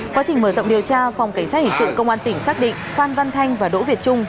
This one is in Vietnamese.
quá trình mở rộng điều tra phòng cảnh sát hình sự công an tỉnh xác định phan văn thanh và đỗ việt trung